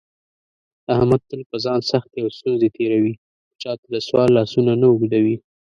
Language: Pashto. احمد تل په ځان سختې او ستونزې تېروي، خو چاته دسوال لاسونه نه اوږدوي.